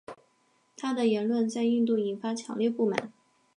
他的言论在印度引发强烈不满。